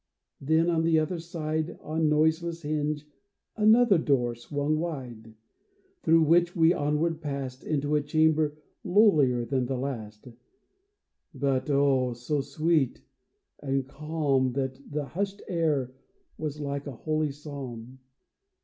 Then, on the other side. On noiseless hinge another door swung wide, Through which we onward passed Into a chamber lowlier than the last, But, oh ! so sweet and calm That the hushed air was like a holy psalm.